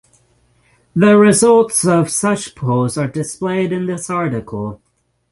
The results of such polls are displayed in this article.